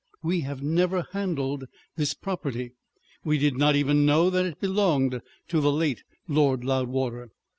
We have never handled this property; we did not even know that it belonged to the late Lord Loudwater.